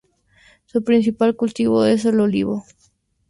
Su principal cultivo es el olivo.